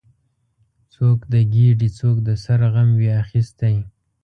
څوک د ګیډې، څوک د سر غم وي اخیستی